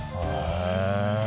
へえ。